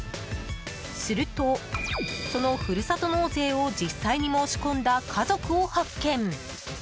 すると、そのふるさと納税を実際に申し込んだ家族を発見。